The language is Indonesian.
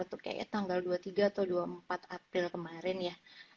itu kayaknya tanggal dua puluh tiga atau dua puluh empat april kemarin ya